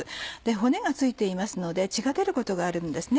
骨が付いていますので血が出ることがあるんですね。